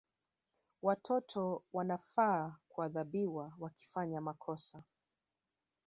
Watoto wanafaa kuadhibiwa wakifanya makosa